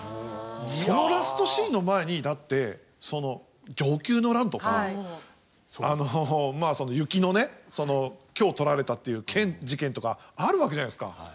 そのラストシーンの前にだってその承久の乱とかあのまあその雪のねその今日撮られたっていう事件とかあるわけじゃないですか。